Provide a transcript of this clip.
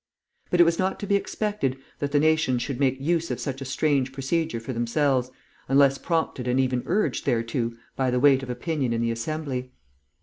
But it was not to be expected that the nations should make use of such a strange procedure for themselves, unless prompted and even urged thereto by the weight of opinion in the Assembly.